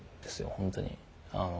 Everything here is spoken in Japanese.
本当に。